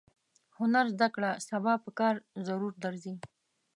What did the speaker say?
هنر زده کړه سبا پکار ضرور درځي.